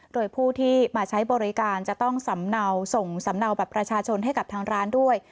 โดยผู้ที่มาใช้บริการจะต้องสำเนาส่งสำเนาบัตรประชาชนให้กับทางร้านด้วย